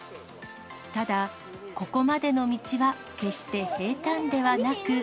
ただ、ここまでの道は決して平たんではなく。